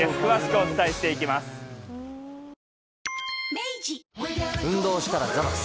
明治運動したらザバス。